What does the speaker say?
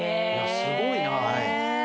すごいな。